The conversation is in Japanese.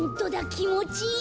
きもちいい！